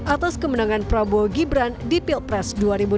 atas kemenangan prabowo gibran di pilpres dua ribu dua puluh